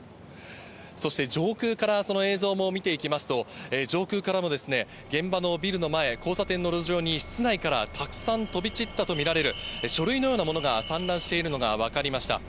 そして上空からその映像も見ていきますと、上空からも現場のビルの前、交差点の路上に室内からたくさん飛び散ったと見られる書類のようなものが散乱しているのが分かりました。